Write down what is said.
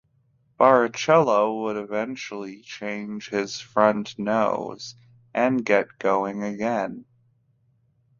Barrichello would eventually change his front nose and get going again.